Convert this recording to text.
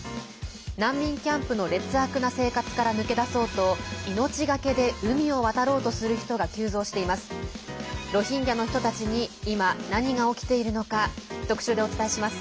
難民キャンプの劣悪な生活から抜け出そうと命懸けで海を渡ろうとする人が急増しています。